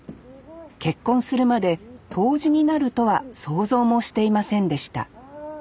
結婚するまで杜氏になるとは想像もしていませんでしたわあ。